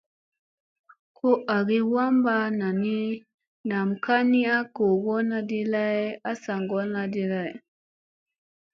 Ko agi wamɓa nani, nam ka ni a googona di lay a saa ŋgolla di lay.